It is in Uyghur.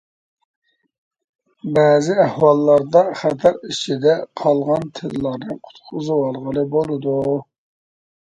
بەزى ئەھۋاللاردا، خەتەر ئىچىدە قالغان تىللارنى قۇتقۇزۇۋالغىلى بولىدۇ.